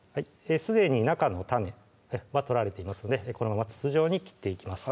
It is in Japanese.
すでに中の種は取られていますのでこのまま筒状に切っていきます